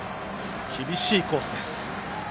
厳しいコースでした。